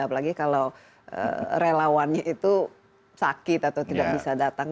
apalagi kalau relawannya itu sakit atau tidak bisa datang